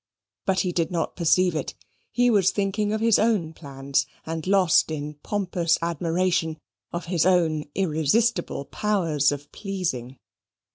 But he did not perceive it. He was thinking of his own plans, and lost in pompous admiration of his own irresistible powers of pleasing.